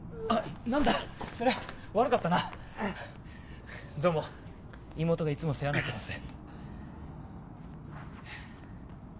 何だそら悪かったなどうも妹がいつも世話になってます